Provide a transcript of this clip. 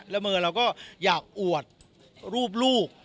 แล้วมือเราก็อยากอวดรูปลูก